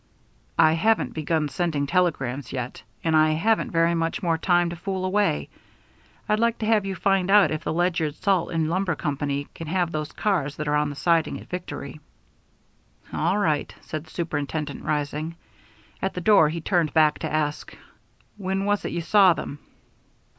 "I haven't begun sending telegrams yet. And I haven't very much more time to fool away. I'd like to have you find out if the Ledyard Salt and Lumber Company can have those cars that are on the siding at Victory." "All right," said the superintendent, rising. At the door he turned back to ask, "When was it you saw them?"